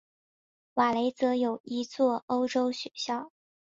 瓦雷泽有一座欧洲学校。